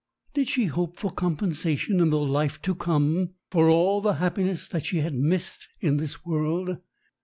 Did she hope for compensation in the life to come for all the happiness that she had missed in this world?